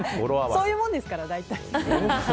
そういうものですから、大体。